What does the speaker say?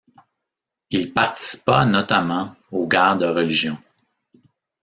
Il participa notamment aux guerres de religion.